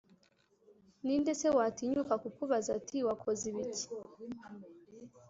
Ni nde se watinyuka kukubaza ati «Wakoze ibiki?»